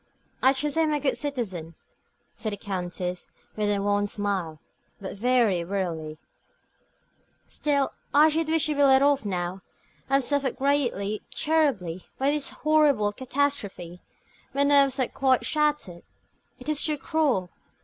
"I trust I am a good citizen," said the Countess, with a wan smile, but very wearily. "Still, I should wish to be let off now. I have suffered greatly, terribly, by this horrible catastrophe. My nerves are quite shattered. It is too cruel.